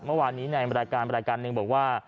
เมื่อวานนี้ในประดาษการประดาษการนึงบอกว่า